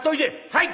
「はい！」。